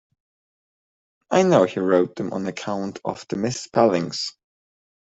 I know he wrote them on account of the misspellings.